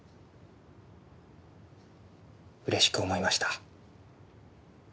嬉しく思いました。